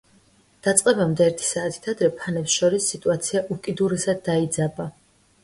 დაწყებამდე ერთი საათით ადრე ფანებს შორის სიტუაცია უკიდურესად დაიძაბა.